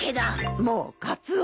もうカツオ。